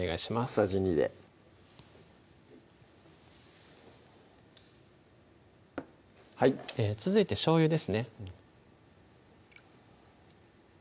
小さじ２ではい続いてしょうゆですね